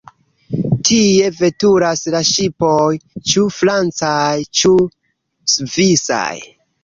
Tie veturas la ŝipoj, ĉu francaj, ĉu svisaj.